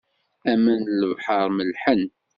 Aman n lebḥer mellḥen.